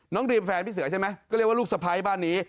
ดรีมแฟนพี่เสือใช่ไหมก็เรียกว่าลูกสะพ้ายบ้านนี้